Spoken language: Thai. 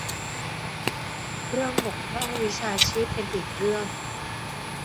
เรื่องบกพร่องวิชาชีพเป็นอีกเรื่อง